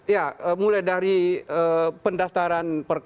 ya mulai dari pendaftaran